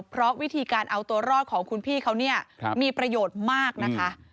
เพราะวิธีการเอาตัวรอดของคุณพี่เขาเนี่ยมีประโยชน์มากนะคะ